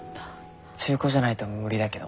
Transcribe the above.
中古じゃないと無理だけど。